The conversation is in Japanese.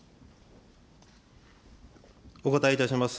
お答えいたします。